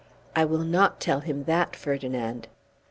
"I will not tell him that, Ferdinand."